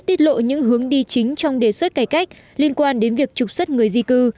tiết lộ những hướng đi chính trong đề xuất cải cách liên quan đến việc trục xuất người di cư